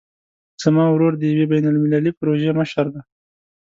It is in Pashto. زما ورور د یوې بین المللي پروژې مشر ده